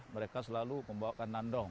mereka selalu membawakan nandong